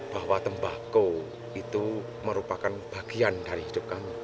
bahwa tembakau itu merupakan bagian dari hidup kami